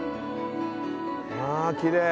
あきれい。